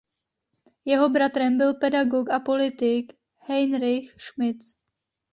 Jeho bratrem byl pedagog a politik Heinrich Schmid.